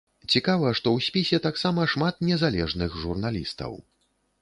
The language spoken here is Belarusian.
Цікава, што ў спісе таксама шмат незалежных журналістаў.